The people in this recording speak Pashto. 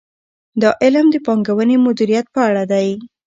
دا علم د پانګونې مدیریت په اړه دی.